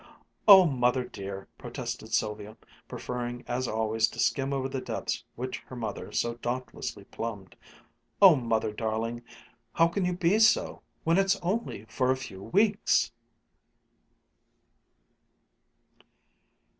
"Oh, Mother dear!" protested Sylvia, preferring as always to skim over the depths which her mother so dauntlessly plumbed. "Oh, Mother darling! How can you be so when it's only for a few weeks!"